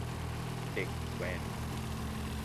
เด็กแว้น